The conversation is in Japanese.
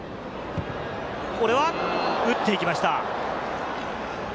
これは打っていきました。